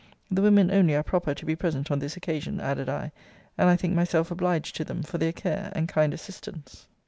The women only are proper to be present on this occasion, added I; and I think myself obliged to them for their care and kind assistance.